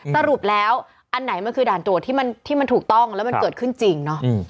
สรุปแล้วอันไหนมันคือด่านตรวจที่มันถูกต้องแล้วมันเกิดขึ้นจริงเนาะ